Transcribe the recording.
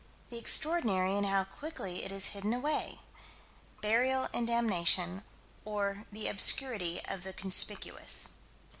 The extraordinary and how quickly it is hidden away. Burial and damnation, or the obscurity of the conspicuous.